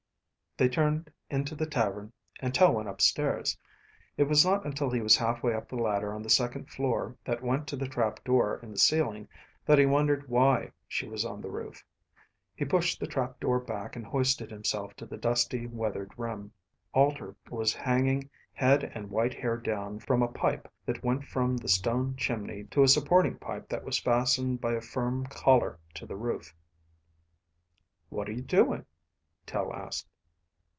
They turned into the tavern and Tel went upstairs. It was not until he was halfway up the ladder on the second floor that went to the trap door in the ceiling that he wondered why she was on the roof. He pushed the trap door back and hoisted himself to the dusty, weathered rim. Alter was hanging head and white hair down from a pipe that went from the stone chimney to a supporting pipe that was fastened by a firm collar to the roof. "What are you doing?" Tel asked.